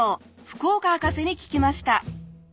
福岡博士に聞きました。